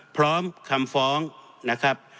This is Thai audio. พร้อมคำฟ้องนะครับ